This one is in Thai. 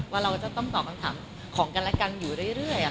ว่าเราจะต้องตอบคำถามของกันและกันอยู่เรื่อย